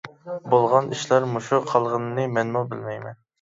بولغان ئىشلار مۇشۇ قالغىنىنى مەنمۇ بىلمەيمەن.